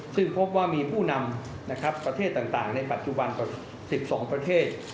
ซึ่งพบว่ามีผู้นำประเทศต่างในปัจจุบันกว่า๑๒ประเทศ